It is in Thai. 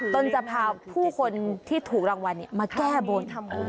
ตนจะพาผู้คนที่ถูกรางวัลเนี้ยมาแก้บนอ๋อ